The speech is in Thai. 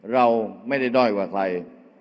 เราไม่ได้ด้อยกว่าใคร